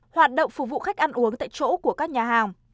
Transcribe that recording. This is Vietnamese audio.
hoạt động phục vụ khách ăn uống tại chỗ của các nhà hàng